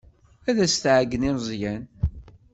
Ad as-tɛeyyen i Meẓyan.